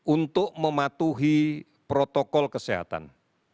untuk mematuhi protokol kesehatan